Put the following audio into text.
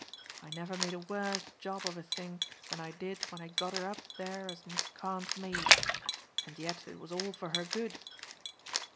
I never made a worse job of a thing than I did when I got her up there as Miss Carne's maid, and yet it was all for her good.